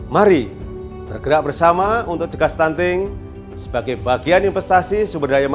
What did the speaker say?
mari bergerak bersama untuk cegah stunting sebagai bagian investasi sumber daya manusia